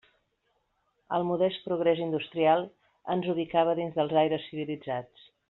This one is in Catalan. El modest progrés industrial ens ubicava dins dels aires civilitzats.